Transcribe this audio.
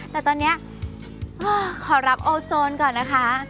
แต่ตอนนี้ขอรับโอโซนก่อนนะคะ